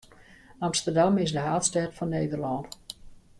Amsterdam is de haadstêd fan Nederlân.